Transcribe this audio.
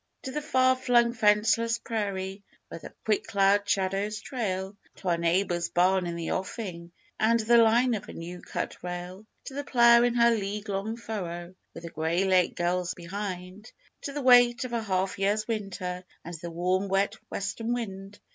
_ To the far flung fenceless prairie Where the quick cloud shadows trail, To our neighbour's barn in the offing And the line of the new cut rail; To the plough in her league long furrow With the gray Lake gulls behind To the weight of a half year's winter And the warm wet western wind!